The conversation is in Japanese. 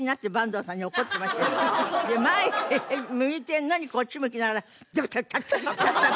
前へ向いてるのにこっち向きながらチャプチャプチャプチャプ。